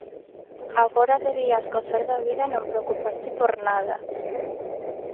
Agora debías gozar da vida e non preocuparte por nada.